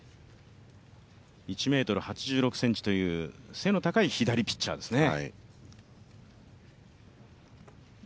１ｍ８６ｃｍという背の高い左ピッチャーですね。